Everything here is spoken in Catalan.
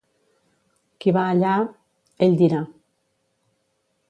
Qui va allà... ell dirà.